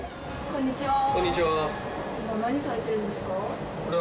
こんにちは。